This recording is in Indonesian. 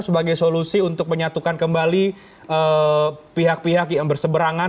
sebagai solusi untuk menyatukan kembali pihak pihak yang berseberangan